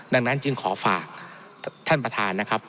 ดังนั้นจึงขอฝากท่านประธานนะครับ